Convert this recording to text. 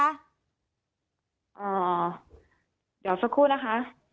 เดี๋ยวสักครู่นะคะ